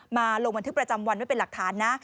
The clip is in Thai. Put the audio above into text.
มาลงบันทึกประจำวันไว้เป็นหลักฐานนะ